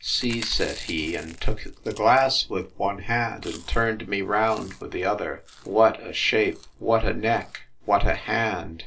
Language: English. —See, said he, and took the glass with one hand, and turned me round with the other, what a shape! what a neck! what a hand!